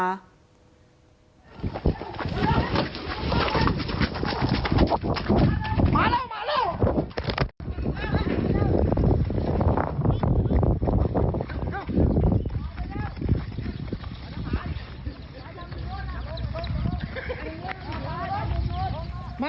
แล้วก็มาเริ่มทาง